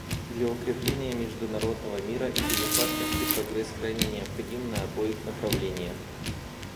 Для укрепления международного мира и безопасности прогресс крайне необходим на обоих направлениях.